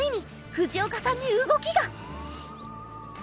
藤岡さんに動きが！